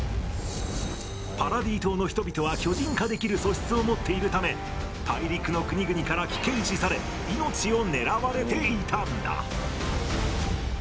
パラディ島の人々は巨人化できる素質を持っているため大陸の国々から危険視され命を狙われていたんだ。